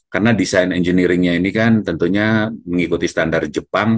karena desain engineeringnya ini kan tentunya mengikuti standar jepang